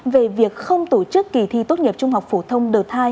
về việc không tổ chức kỳ thi tốt nghiệp trung học phổ thông đợt hai